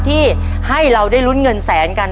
ที่ให้เราได้ลุ้นเงินแสนกัน